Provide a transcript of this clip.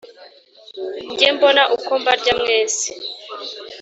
nge mbone uko mbarya mwese